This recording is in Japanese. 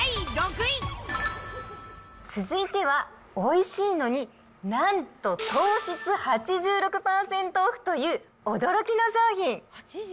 続いては、おいしいのになんと糖質８６％オフという、驚きの商品。